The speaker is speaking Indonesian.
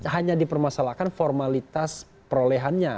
hanya dipermasalahkan formalitas perolehannya